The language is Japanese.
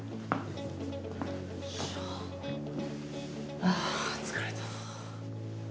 ああ疲れた。